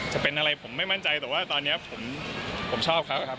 จะเป็นอะไรผมไม่มั่นใจแต่ว่าตอนนี้ผมชอบเขาครับ